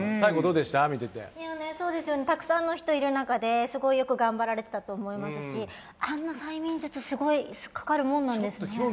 たくさんの人がいる中ですごくよく頑張られてたと思うしあんな催眠術、すごい、かかるものなんですね。